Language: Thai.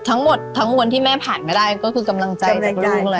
แต่ทั้งทวนที่แม่ผ่านไม่ได้ก็คือกำลังใจลูกแหละ